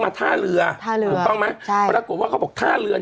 อันคารที่ผ่านมานี่เองไม่กี่วันนี่เอง